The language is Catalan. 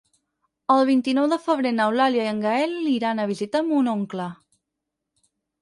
El vint-i-nou de febrer n'Eulàlia i en Gaël iran a visitar mon oncle.